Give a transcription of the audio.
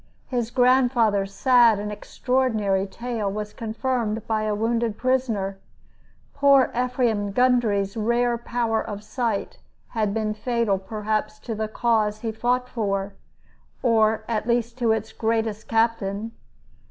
His grandfather's sad and extraordinary tale was confirmed by a wounded prisoner. Poor Ephraim Gundry's rare power of sight had been fatal perhaps to the cause he fought for, or at least to its greatest captain.